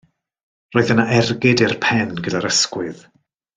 Roedd yna ergyd i'r pen gyda'r ysgwydd.